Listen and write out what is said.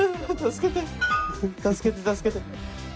助けて助けて。